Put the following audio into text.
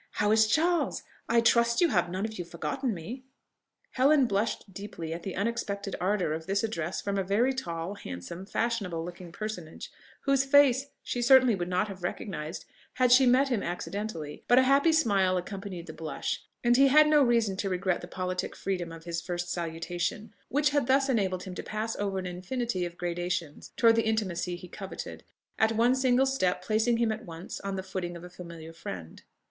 how is Charles? I trust you have none of you forgotten me?" Helen blushed deeply at the unexpected ardour of this address from a very tall, handsome, fashionable looking personage, whose face she certainly would not have recognised had she met him accidentally: but a happy smile accompanied the blush, and he had no reason to regret the politic freedom of his first salutation, which had thus enabled him to pass over an infinity of gradations towards the intimacy he coveted, at one single step placing him at once on the footing of a familiar friend.